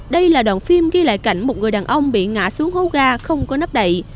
đây là đoạn phim ghi lại cảnh một người đàn ông bị ngã xuống hố ga không có nắp đậy